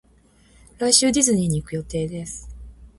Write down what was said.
来週ディズニーに行く予定です